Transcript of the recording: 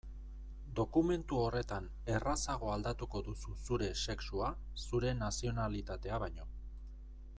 Dokumentu horretan errazago aldatuko duzu zure sexua zure nazionalitatea baino.